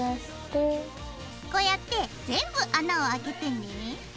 こうやって全部穴をあけてね。